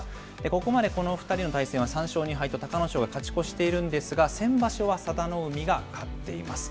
ここまでこの２人の対戦は３勝２敗と、隆の勝が勝ち越しているんですが、先場所は佐田の海が勝っています。